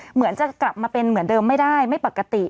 เหมือนจะกลับมาเป็นเหมือนเดิมไม่ได้ไม่ปกติ